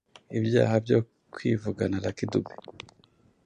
ibyaha byo kwivugana Lucky Dube